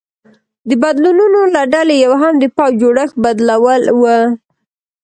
د بدلونونو له ډلې یو هم د پوځ جوړښت بدلول و